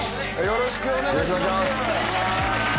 よろしくお願いします